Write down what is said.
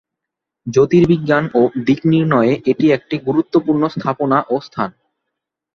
জ্যোতির্বিজ্ঞান ও দিক নির্ণয়ে এটি একটি গুরুত্বপূর্ণ স্থাপনা ও স্থান।